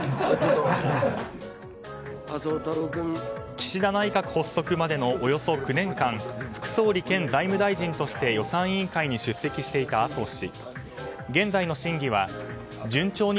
岸田内閣発足までのおよそ９年間副総理兼財務大臣として予算委員会に出席していた麻生氏。